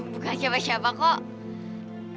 bukan siapa siapa kok